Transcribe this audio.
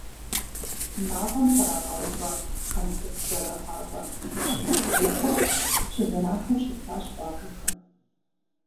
Мафӏэм пэрагъэувэ хьэнтхъупс зэрагъавэ кхъуэщын хъурейхэр щызэрахьэу щытащ къуажэхэм.